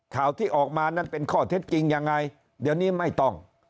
ข่าวที่ออกมานั้นเป็นข้อเท็จจริงยังไงเดี๋ยวนี้ไม่ต้อง